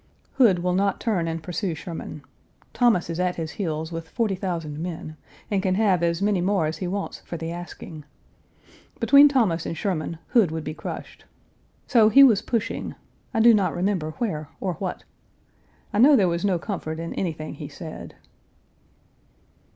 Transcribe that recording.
Hood will not turn and pursue Sherman. Thomas is at his heels with forty thousand men, and can have as many more as he wants for the asking. Between Thomas and Sherman Hood would be crushed. So he was pushing I do not remember where or what. I know there was no comfort in anything he said.